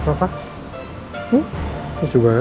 kita masuk ya